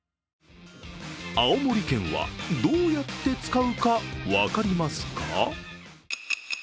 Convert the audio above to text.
青森県はどうやって使うか分かりますか？